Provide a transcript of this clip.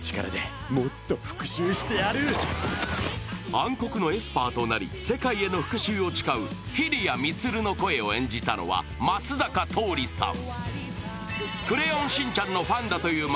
暗黒のエスパーとなり世界への復しゅうを誓う非理谷充の声を演じたのは松坂桃李さん。